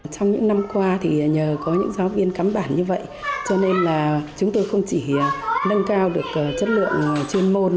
trong những năm qua thì nhờ có những giáo viên cắm bản như vậy cho nên là chúng tôi không chỉ nâng cao được chất lượng chuyên môn